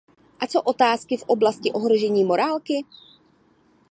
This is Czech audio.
A co otázky v oblasti ohrožení morálky?